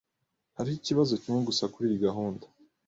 Hariho ikibazo kimwe gusa kuriyi gahunda.